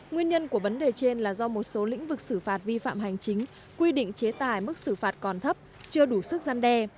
nguyên nhân của vấn đề trên là do một số lĩnh vực xử phạt vi phạm hành chính quy định chế tài mức xử phạt còn thấp chưa đủ sức gian đe